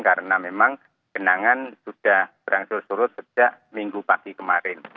karena memang genangan sudah berangsur surut sejak minggu pagi kemarin